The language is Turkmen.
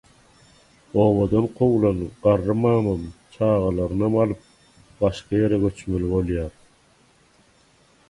Obadan kowulan garry mamam çagalarynam alyp başga ýere göçmeli bolýar.